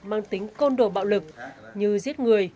mang tính côn đồ bạo lực như giết người